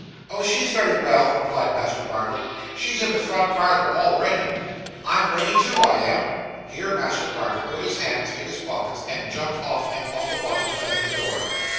'Oh, she's very well,' replied Master Bardell. 'She's in the front parlour, all ready. I'm ready too, I am.' Here Master Bardell put his hands in his pockets, and jumped off and on the bottom step of the door.